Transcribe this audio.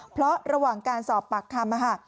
เพราะระหว่างการสอบปากคำ